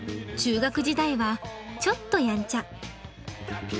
中学時代はちょっとやんちゃ。